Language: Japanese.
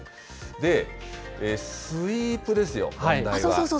スイープですよ、問題は。